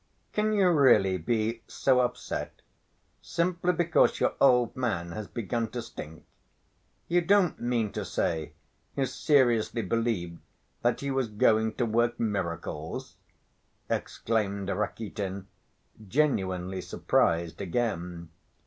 "Can you really be so upset simply because your old man has begun to stink? You don't mean to say you seriously believed that he was going to work miracles?" exclaimed Rakitin, genuinely surprised again.